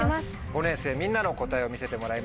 ５年生みんなの答えを見せてもらいましょう。